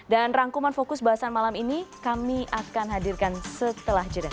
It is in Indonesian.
dan rangkuman fokus bahasan malam ini kami akan hadirkan setelah jeda